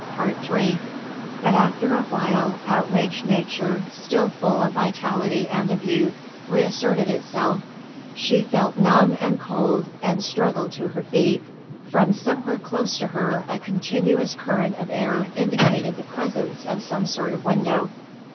III But after awhile outraged nature, still full of vitality and of youth, re asserted itself. She felt numb and cold and struggled to her feet. From somewhere close to her a continuous current of air indicated the presence of some sort of window.